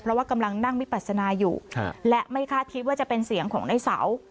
เพราะว่ากำลังนั่งวิปัสนาอยู่และไม่คาดคิดว่าจะเป็นเสียงของในเสา